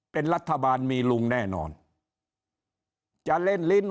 เป็นรัฐบาลมีลุงแน่นอนจะเล่นลิ้น